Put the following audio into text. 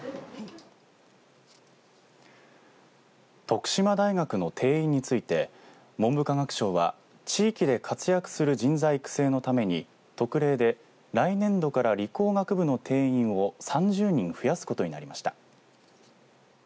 徳島大学の定員について文部科学省は、地域で活躍する人材育成のために特例で来年度から理工学部の定員を３０人増やすことになりました。